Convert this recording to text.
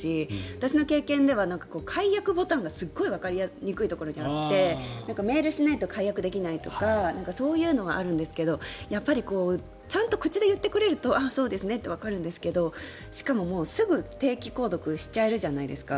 私の経験では解約ボタンがすごいわかりにくいところにあってメールしないと解約できないとかそういうのはあるんですがちゃんと口で言ってくれるとそうですねってわかるんですがしかも、すぐ定期購読できるじゃないですか。